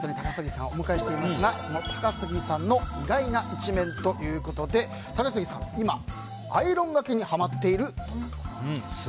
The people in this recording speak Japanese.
今日はゲストに高杉さんをお迎えしていますがその高杉さんの意外な一面ということで高杉さんは今、アイロンがけにハマっているということなんです。